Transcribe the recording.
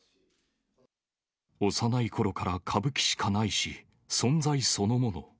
幼いころから歌舞伎しかないし、存在そのもの。